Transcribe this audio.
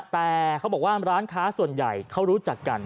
แต่เขาบอกว่าร้านค้าส่วนใหญ่เขารู้จักกัน